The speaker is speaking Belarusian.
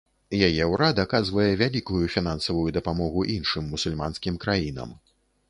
Яе ўрад аказвае вялікую фінансавую дапамогу іншым мусульманскім краінам.